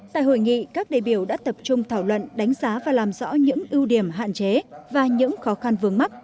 tại hội nghị các đại biểu đã tập trung thảo luận đánh giá và làm rõ những ưu điểm hạn chế và những khó khăn vướng mắt